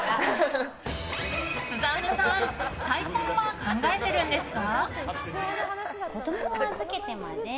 スザンヌさん再婚は考えているんですか？